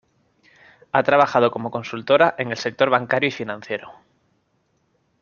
Ha trabajado como consultora en el sector bancario y financiero.